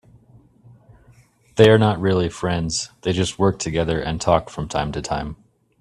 They are not really friends, they just work together and talk from time to time.